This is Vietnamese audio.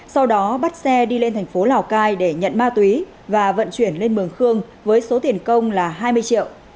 sau đó bắt xe đi lên thành phố lào cai để nhận ma túy và vận chuyển lên mường khương với số tiền công là hai mươi triệu